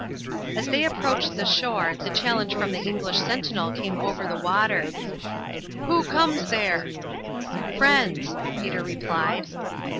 As they approached the shore the challenge from the English sentinel came over the water: "Who comes there?" "Friends," Peter replied.